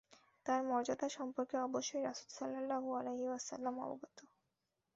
তার মর্যাদা সম্পর্কে অবশ্যই রাসূল সাল্লাল্লাহু আলাইহি ওয়াসাল্লাম অবগত।